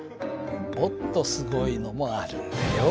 もっとすごいのもあるんだよ。